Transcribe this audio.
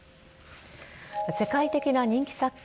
世界的な人気作家